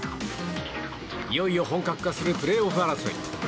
いよいよ本格化するプレーオフ争い。